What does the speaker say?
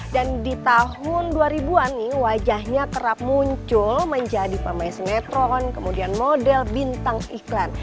dan di tahun dua ribu an nih wajahnya kerap muncul menjadi pemaisenetron kemudian model bintang iklan